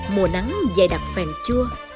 mùa nắng dày đặc phèn chua